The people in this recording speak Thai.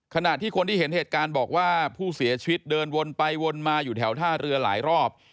ขณะที่คนที่เห็นเหตุการณ์บอกว่าผู้เสียชีวิตเดินวนไปวนมาอยู่แถวท่าเรือหลายรอบ